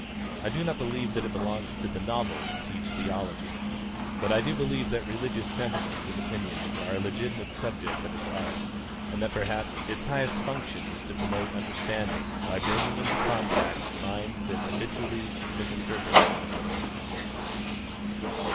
I do not believe that it belongs to the novel to teach theology; but I do believe that religious sentiments and opinions are a legitimate subject of its art, and that perhaps its highest function is to promote understanding by bringing into contact minds that habitually misinterpret one another.